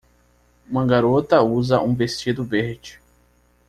Uma garota usa um vestido verde.